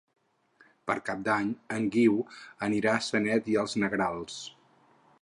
Per Cap d'Any en Guiu anirà a Sanet i els Negrals.